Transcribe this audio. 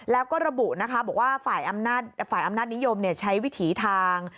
แล้วก็ระบุนะคะบอกว่าฝ่ายอำนาจนิยมใช้วิถีทาง